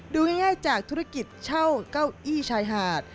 ดูง่ายจากธุรกิจเช่าเก้าอี้ชายหาด